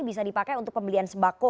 bisa dipakai untuk pembelian sembako